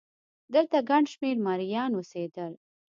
دلته ګڼ شمېر مریان اوسېدل